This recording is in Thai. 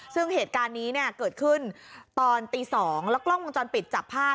ซึ่งเหตุการณ์นี้เนี่ยเกิดขึ้นตอนตี๒แล้วกล้องวงจรปิดจับภาพ